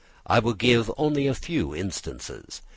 I will give only a few instances.